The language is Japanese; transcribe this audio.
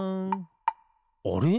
あれ？